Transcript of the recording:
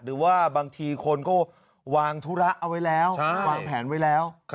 หรือว่าบางทีคนก็วางธุระเอาไว้แล้ววางแผนไว้แล้ว